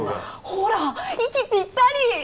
ほら息ぴったり。